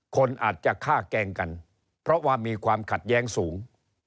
คนอาจจะฆ่าแกล้งกันเพราะว่ามีความขัดแย้งสูง